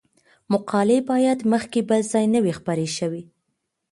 مقالې باید مخکې بل ځای نه وي خپرې شوې.